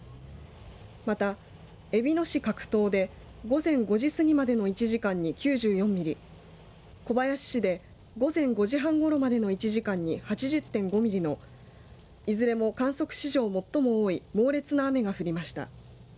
また、えびの市加久藤で午前５時過ぎまでの１時間に９４ミリ小林市で、午前５時半ごろまでの１時間に８０．５ミリのいずれも観測史上最も多い猛烈な雨が降りました。